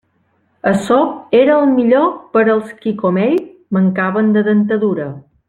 Açò era el millor per als qui, com ell, mancaven de dentadura.